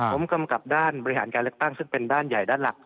ผมกำกับด้านบริหารการเลือกตั้งซึ่งเป็นด้านใหญ่ด้านหลัก